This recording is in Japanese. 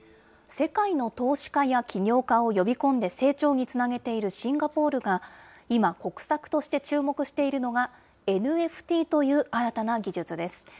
世界の投資家や起業家を呼び込んで成長につなげているシンガポールが今、国策として注目しているのが、ＮＦＴという新たな技術です。